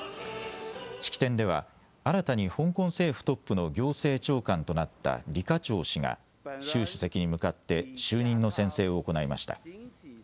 式典では、新たに香港政府トップの行政長官となった李家超氏が、習主席に向かって就任の宣誓を行いました。